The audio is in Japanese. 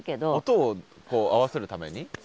音を合わせるために？